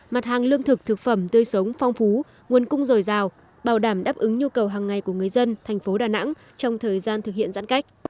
mặt hàng lương thực thực phẩm tươi sống phong phú nguồn cung dồi dào bảo đảm đáp ứng nhu cầu hàng ngày của người dân thành phố đà nẵng trong thời gian thực hiện giãn cách